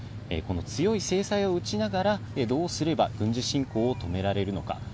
この強い制裁を打ちながら、どうすれば軍事侵攻を止められるのか。